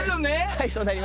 はいそうなります。